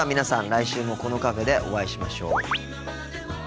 来週もこのカフェでお会いしましょう。